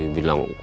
mak mau dong